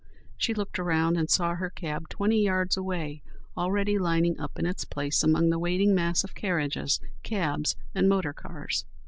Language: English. She looked around and saw her cab twenty yards away already lining up in its place among the waiting mass of carriages, cabs and motor cars.